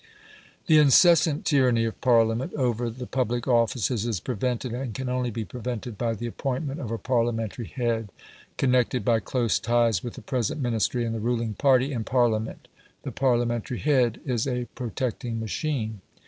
The incessant tyranny of Parliament over the public offices is prevented and can only be prevented by the appointment of a Parliamentary head, connected by close ties with the present Ministry and the ruling party in Parliament The Parliamentary head is a protecting machine.